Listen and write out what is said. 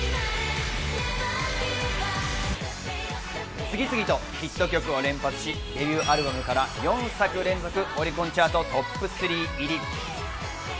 次々とヒット曲を連発し、デビューアルバムから４作連続オリコンチャートＴＯＰ３入り。